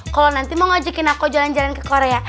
kalau nanti mau ngajakin aku jalan jalan ke korea